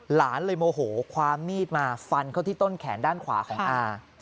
หลานเลยโมโหคว้ามีดมาฟันเขาที่ต้นแขนด้านขวาของอา